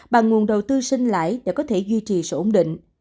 bằng nguồn đầu tư sinh lãi để có thể duy trì sự ổn định